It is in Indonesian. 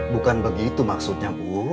bukan begitu maksudnya bu